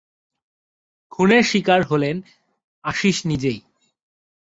খুনের শিকার হলেন আশীষ নিজেই।